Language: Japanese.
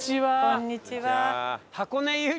こんにちは。